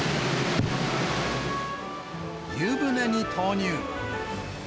湯船に投入。